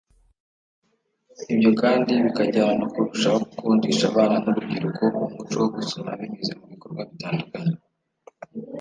Ibyo kandi bikajyana no kurushaho gukundisha abana n’urubyiruko umuco wo gusoma binyuze mu bikorwa bitandukanye